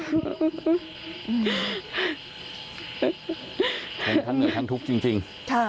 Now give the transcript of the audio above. ทั้งเหนื่อยทั้งทุกข์จริง